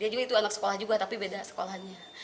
dia juga itu anak sekolah juga tapi beda sekolahannya